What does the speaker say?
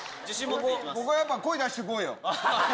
ここはやっぱ声出していこうよ。